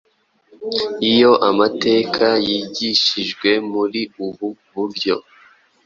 Iyo amateka yigishijwe muri ubu buryo